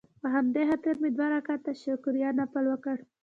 په همدې خاطر مې دوه رکعته شکريه نفل وکړ.